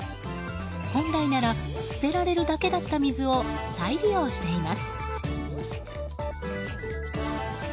本来なら捨てられるだけだった水を再利用しています。